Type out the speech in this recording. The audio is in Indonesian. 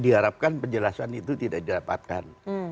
diharapkan penjelasan itu tidak didapatkan